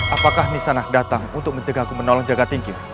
apakah nisanak datang untuk menjaga aku menolong jaga tinggi